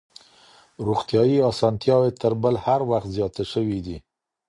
روغتيايي اسانتياوې تر بل هر وخت زياتي سوي دي.